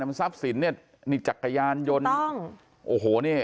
ทรัพย์สินเนี่ยนี่จักรยานยนต์โอ้โหนี่